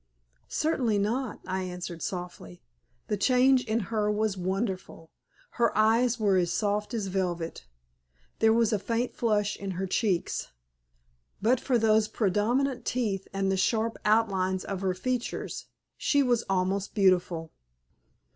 "Certainly not," I answered, softly. The change in her was wonderful. Her eyes were as soft as velvet; there was a faint flush in her cheeks. But for those prominent teeth and the sharp outlines of her features she was almost beautiful.